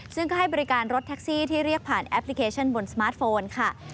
ซึ่งก็ให้บริการรถแท็กซี่ที่เรียกผ่านแอปพลิเคชันบนสมาร์ทโฟนค่ะ